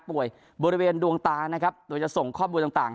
บริเวณดวงตานะครับโดยจะส่งข้อมูลต่าง